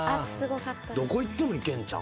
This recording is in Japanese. どこ行ってもいけんちゃう？